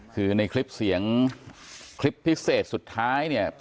คือในคลิปเสียงคลิปพิเศษสุดท้ายเนี่ย